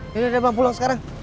ya udah bang pulau sekarang